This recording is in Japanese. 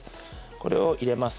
これを入れます。